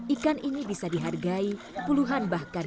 ikan ini bisa dihargai puluhan bahkan